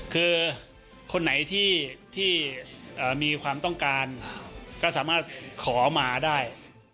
คือคนไหนที่มีความต้องการก็สามารถขอมาได้